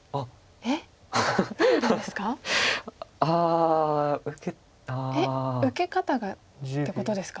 えっ受け方がってことですか？